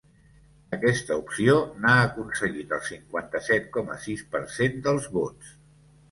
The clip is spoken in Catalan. Aquesta opció n’ha aconseguit el cinquanta-set coma sis per cent dels vots.